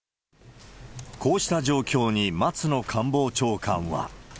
こうした状況に、松野官房長官は。